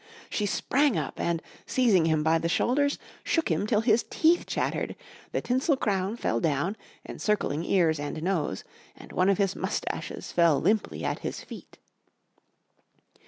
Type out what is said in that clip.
She sprang up and, seizing him by the shoulders, shook him till his teeth chattered, the tinsel crown fell down, encircling ears and nose, and one of his moustaches fell limply at his feet.